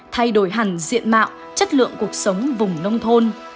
thay đổi hẳn diện mạo chất lượng cuộc sống vùng nông thôn